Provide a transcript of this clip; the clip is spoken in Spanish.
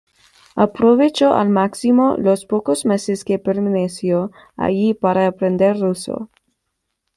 Aprovechó al máximo los pocos meses que permaneció allí para aprender ruso.